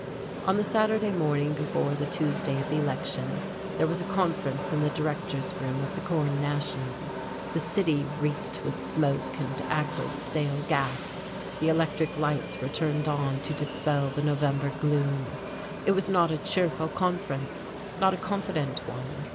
On the Saturday morning before the Tuesday of election there was a conference in the directors' room of the Corn National. The city reeked with smoke and acrid, stale gas, the electric lights were turned on to dispel the November gloom. It was not a cheerful conference, nor a confident one.